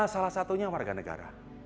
salah satunya warga negara